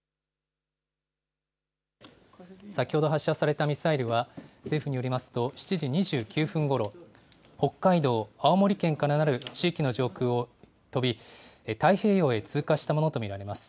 先ほど発射されたミサイルは、政府によりますと、７時２９分ごろ、北海道、青森県からなる地域の上空を飛び、太平洋へ通過したものと見られます。